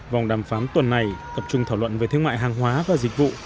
vòng đàm phán tuần này tập trung thảo luận về thương mại hàng hóa và dịch vụ